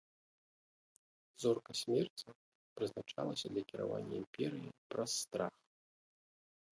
Зорка смерці прызначалася для кіравання імперыяй праз страх.